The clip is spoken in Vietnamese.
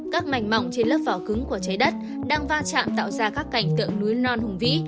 các mảnh mỏng trên lớp vỏ cứng của trái đất đang va chạm tạo ra các cảnh tượng núi non hùng vĩ